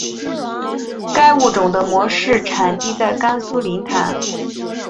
该物种的模式产地在甘肃临潭。